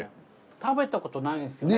食べたことないですよね。